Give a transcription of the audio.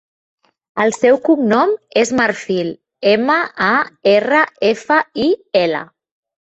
El seu cognom és Marfil: ema, a, erra, efa, i, ela.